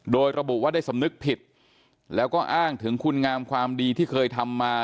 โดยระบุว่าได้สำนึกผิดแล้วก็อ้างถึงคุณงามความดีที่เคยทำมา